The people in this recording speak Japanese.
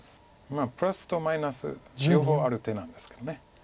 プラスとマイナス両方ある手なんですけど。